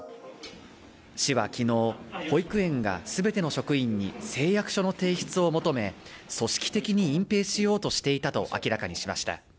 市は昨日、保育園が全ての職員に誓約書の提出を求め、組織的に隠蔽しようとしていたと明らかにしました。